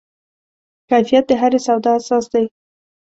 کیفیت د هرې سودا اساس دی.